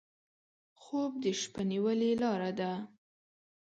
خوب د شپه نیولې لاره ده